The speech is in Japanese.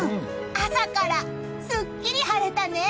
朝からすっきり晴れたね！